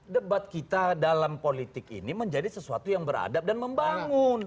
debat kita dalam politik ini menjadi sesuatu yang beradab dan membangun